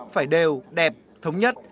phải đều đẹp thống nhất